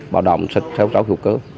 bảo đảm sạch rau hiệu cơ